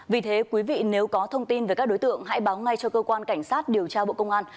vì thế quý vị nếu có thông tin về các đối tượng hãy báo ngay cho cơ quan cảnh sát điều tra bộ công an